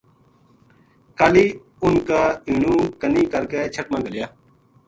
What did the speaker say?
کالی اُن کا اِنو کنی کر کے َچھٹ ما گھلیا